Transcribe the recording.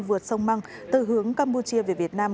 vượt sông măng từ hướng campuchia về việt nam